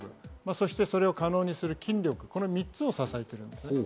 そしてそれを可能にする筋力、この３つを支えています。